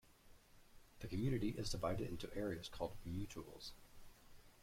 The community is divided into areas called Mutuals.